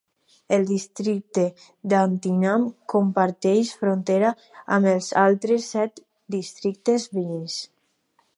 El districte d'Antingham comparteix frontera amb altres set districtes veïns.